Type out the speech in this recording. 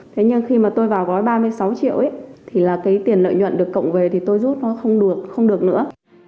thế nhưng khi mà tôi vào gói ba mươi sáu triệu ấy là cái tiền lợi nhuận được cộng về thì tôi rút nó không được không được nữa